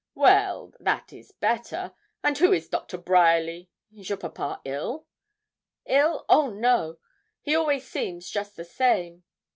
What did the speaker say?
'Well, that is better. And who is Doctor Bryerly is your papa ill?' 'Ill; oh no; he always seems just the same.